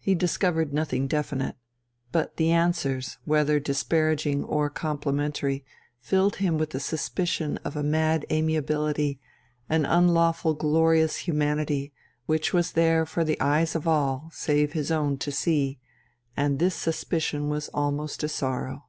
He discovered nothing definite. But the answers, whether disparaging or complimentary, filled him with the suspicion of a mad amiability, an unlawful glorious humanity, which was there for the eyes of all, save his own, to see and this suspicion was almost a sorrow.